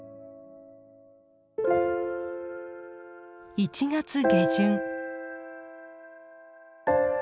１月下旬。